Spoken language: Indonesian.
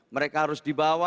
mereka harus dibawa